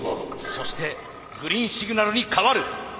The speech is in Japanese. そしてグリーンシグナルに変わる。